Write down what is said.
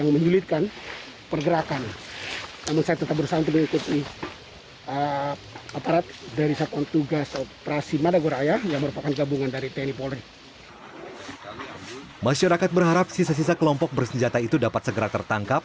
masyarakat berharap sisa sisa kelompok bersenjata itu dapat segera tertangkap